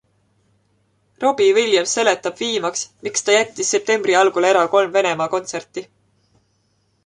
Robbie Williams seletab viimaks, miks ta jättis septembri algul ära kolm Venemaa kontserti.